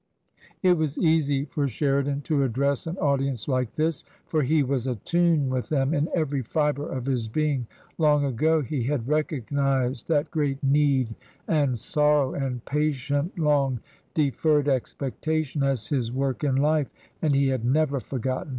It was easy for Sheridan to address an audience like this, for he was atune with them in every fibre of his being ; long ago he had recognised that great need and sorrow, and patient, long deferred expectation as his work in life, and he had never forgotten.